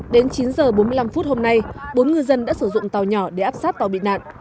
đến chín h bốn mươi năm hôm nay bốn ngư dân đã sử dụng tàu nhỏ để áp sát tàu bị nạn